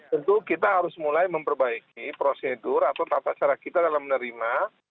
tentu kita harus mulai memperbaiki prosedur atau tata cara kita dalam menerima